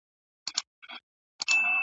د بې عقل جواب سکوت دئ !.